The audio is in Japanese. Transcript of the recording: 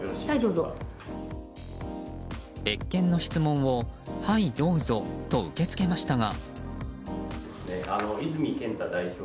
別件の質問をはいどうぞと受け付けましたが。